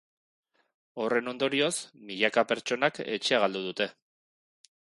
Horren ondorioz, milaka pertsonak etxea galdu dute.